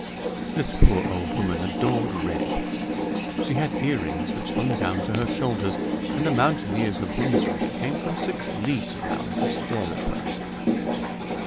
This poor old woman adored red; she had earrings which hung down to her shoulders, and the mountaineers of Hundsrück came from six leagues around to stare at her.